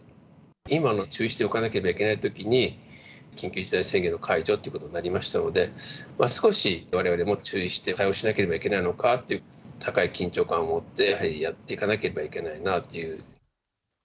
今、注意しておかなければいけないときに、緊急事態宣言の解除ということになりましたので、少し、われわれも注意して対応しなければいけないのかという、高い緊張感を持って、やはりやっていかなければいけないなあという。